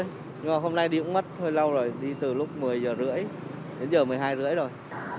nhưng mà hôm nay đi cũng mất hơi lâu rồi đi từ lúc một mươi h ba mươi đến giờ một mươi hai h ba mươi rồi